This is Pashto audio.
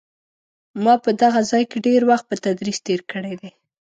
ما په دغه ځای کې ډېر وخت په تدریس تېر کړی دی.